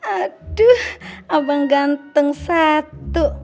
aduh abang ganteng satu